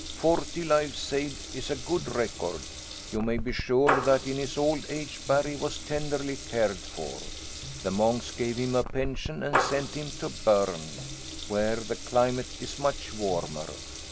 "Forty lives saved is a good record. You may be sure that in his old age Barry was tenderly cared for. The monks gave him a pension and sent him to Berne, where the climate is much warmer.